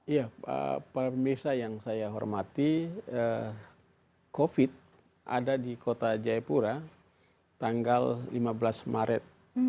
ya pak pemirsa yang saya hormati covid sembilan belas ada di kota jayapura tanggal lima belas maret dua ribu dua puluh